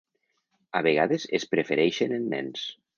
A vegades es prefereixen en nens.